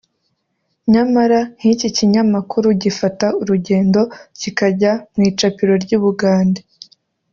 nyamara nk’iki kinyamakuru gifata urugendo kikajya mu icapiro ry’i Bugande